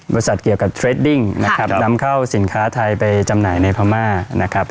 เกี่ยวกับเทรดดิ้งนะครับนำเข้าสินค้าไทยไปจำหน่ายในพม่านะครับ